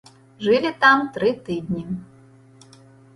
Жылі там тры тыдні.